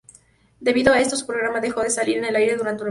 Debido a esto, su programa dejó de salir al aire durante un mes.